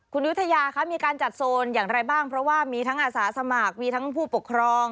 คุณยุธยาคะมีการจัดโซนอย่างไรบ้างเพราะว่ามีทั้งอาสาสมัครมีทั้งผู้ปกครอง